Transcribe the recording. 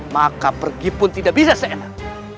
maka pergi pun tidak bisa seenak